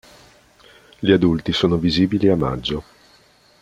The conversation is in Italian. Gli adulti sono visibili a maggio.